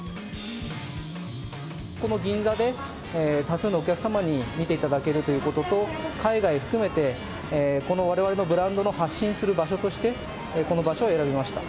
この銀座で、多数のお客様に見ていただけるということと、海外含めて、このわれわれのブランドの発信する場所として、この場所を選びました。